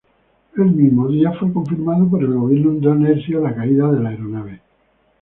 El mismo día, fue confirmado por el gobierno indonesio la caída de la aeronave.